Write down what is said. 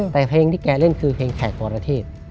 แต่เพลงที่แกเล่นคือเพลงแขกปรเทศ